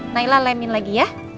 naila lemin lagi ya